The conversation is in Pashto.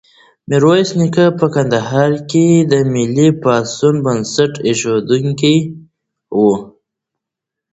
میرویس نیکه په کندهار کې د ملي پاڅون بنسټ ایښودونکی و.